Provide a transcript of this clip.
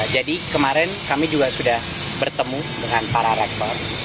jadi kemarin kami juga sudah bertemu dengan para rektor